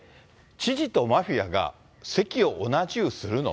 知事とマフィアが席を同じくするの？